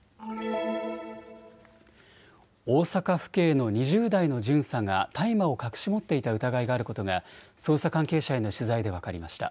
大阪府警の２０代の巡査が大麻を隠し持っていた疑いがあることが捜査関係者への取材で分かりました。